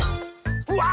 うわ！